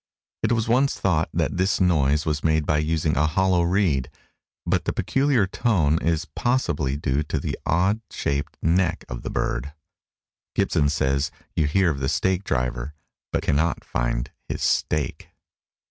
It was once thought that this noise was made by using a hollow reed, but the peculiar tone is possibly due to the odd shaped neck of the bird. Gibson says you hear of the stake driver but can not find his "stake."